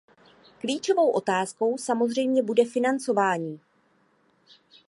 Klíčovou otázkou samozřejmě bude financování.